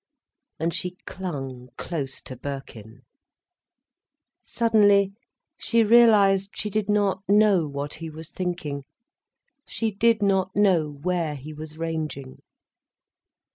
And she clung close to Birkin. Suddenly she realised she did not know what he was thinking. She did not know where he was ranging.